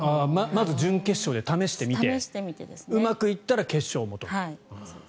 まず準決勝で試してみてうまくいったら決勝もと。